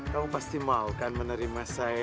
kamu pasti maukan menerima saya